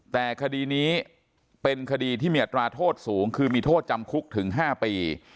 แต่คดีนี้เป็นคดีที่มีอัตราโทษสูงคือมีโทษจำคุกถึง๕ปี